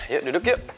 yuk duduk yuk